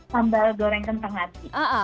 sambal goreng kentang ati